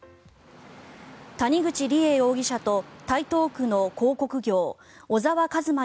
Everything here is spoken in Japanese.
谷口梨恵容疑者と台東区の広告業小澤一真